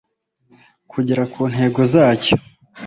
kugera ku ntego zacyo